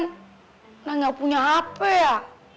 udah ga punya hp ya